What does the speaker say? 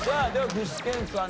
具志堅さん。